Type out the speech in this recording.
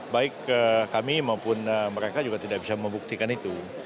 baik kami maupun mereka juga tidak bisa membuktikan itu